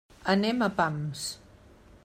Anem a pams.